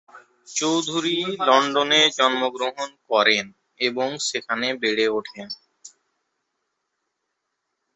চৌধুরী লন্ডনে জন্মগ্রহণ করেন এবং সেখানে বেড়ে উঠেন।